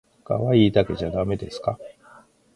かわいいだけじゃだめですか